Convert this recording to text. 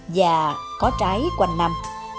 và có trái quanh năm